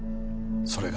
それが？